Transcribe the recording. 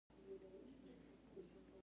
ایا ماشوم مو ارام دی؟